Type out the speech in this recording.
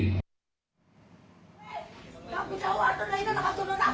kepala sekolah menangkap perempuan yang berusia dua puluh lima tahun